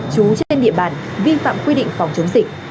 trú trên địa bàn vi phạm quy định phòng chống dịch